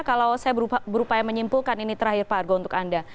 kalau saya berupaya menyimpulkan ini terakhir pak argo untuk anda